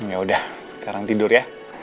yaudah sekarang tidur ya